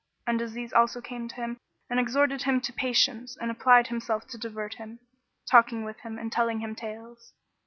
And Aziz also came to him and exhorted him to patience and applied himself to divert him, talking with him and telling him tales.